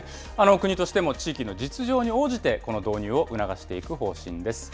国としても地域の実情に応じてこの導入を促していく方針です。